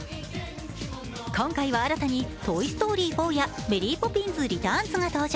今回は新たに「トイ・ストーリー４」や「メリー・ポピンズリターンズ」が登場。